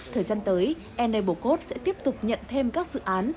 thời gian tới enablecode sẽ tiếp tục nhận thêm các dự án